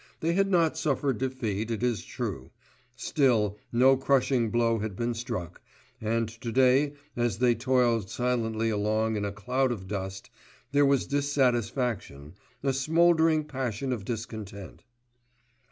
They had not suffered defeat it is true; still no crushing blow had been struck, and to day as they toiled silently along in a cloud of dust there was dissatisfaction, a smouldering passion of discontent.